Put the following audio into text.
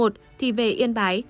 thì về yên bái